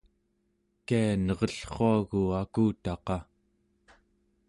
kia nerellruagu akutaqa?